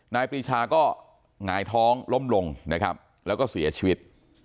ปรีชาก็หงายท้องล้มลงนะครับแล้วก็เสียชีวิต